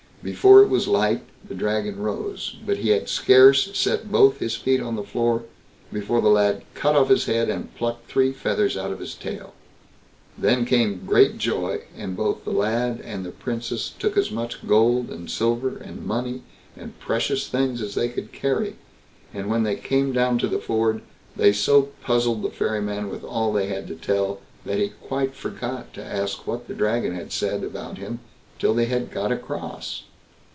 Before it was light the Dragon rose; but he had scarce set both his feet on the floor before the lad cut off his head, and plucked three feathers out of his tail. Then came great joy, and both the lad and the Princess took as much gold, and silver, and money, and precious things as they could carry; and when they came down to the ford, they so puzzled the ferryman with all they had to tell, that he quite forgot to ask what the Dragon had said about him till they had got across.